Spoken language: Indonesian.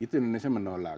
itu indonesia menolak